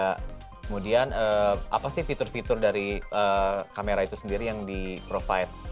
kemudian apa sih fitur fitur dari kamera itu sendiri yang di provide